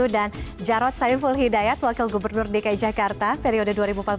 dan jarod saiful hidayat wakil gubernur dki jakarta periode dua ribu empat belas dua ribu tujuh belas